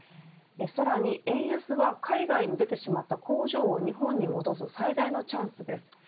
さらに円安は海外に出てしまった工場を日本に戻す最大のチャンスです。